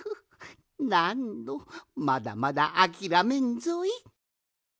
なんのまだまだあきらめんぞい！